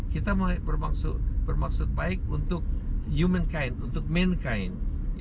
kita bermaksud baik untuk humankind untuk mankind